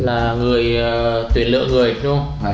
là người tuyển lợi người đúng không